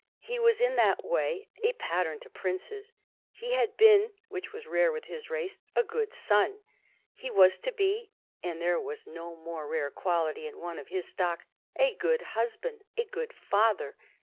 He was in that way a pattern to princes. He had been, which was rare with his race, a good son. He was to be and there was no more rare quality in one of his stock a good husband, a good father.